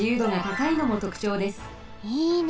いいね。